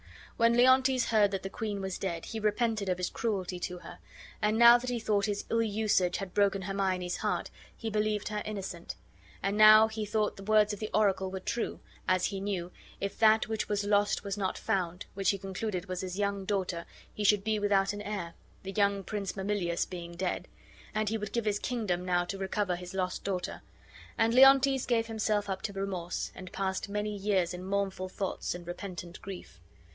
When Leontes heard that the queen was dead he repented of his cruelty to her; and now that he thought his ill usage had broken Hermione's heart, he believed her innocent; and now he thought the words of the oracle were true, as he knew "if that which was lost was not found," which he concluded was his young daughter, he should be without an heir, the young Prince Mamillius being dead; and he would give his kingdom now to recover his lost daughter. And Leontes gave himself up to remorse and passed many years in mournful thoughts and repentant grief.